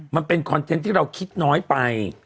มันเป็นคอนเทนต์ที่เราคิดน้อยไป